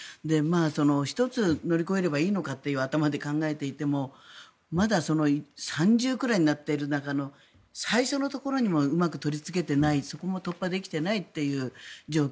１つ、乗り越えればいいのかという頭で考えていてもまだ３０くらいになっている中の最初のところにもうまく取りつけていないそこも突破できていないという状況。